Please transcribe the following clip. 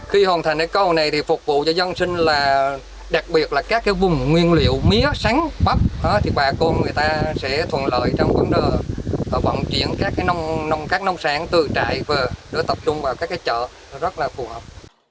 khi hoàn thành cầu này thì phục vụ cho dân sinh là đặc biệt là các vùng nguyên liệu mía sánh bắp thì bà cô người ta sẽ thuận lợi trong vận chuyển các nông sản từ trại về để tập trung vào các chợ rất là phù hợp